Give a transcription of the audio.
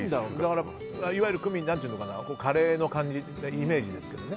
いわゆるクミンカレーの感じ、イメージですが。